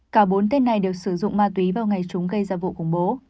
cả bốn tên này đều sử dụng ma túy vào ngày chúng gây ra vụ khủng bố